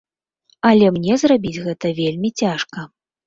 Але мне зрабіць гэта вельмі цяжка.